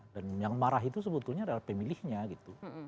dan yang marah itu sebetulnya adalah pemilihnya gitu